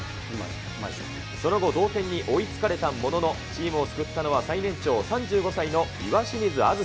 その後、同点に追いつかれたものの、チームを救ったのは最年長、３５歳の岩清水梓。